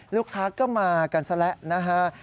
ลูกค้าก็มากันซะแล้วนะฮะ